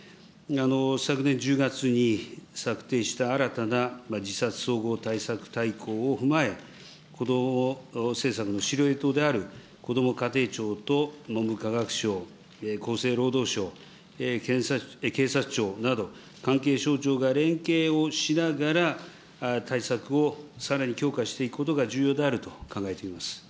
昨年１０月に策定した新たな自殺総合対策大綱を踏まえ、子ども政策の司令塔であるこども家庭庁と文部科学省、厚生労働省、警察庁など、関係省庁が連携をしながら、対策をさらに強化していくことが重要であると考えています。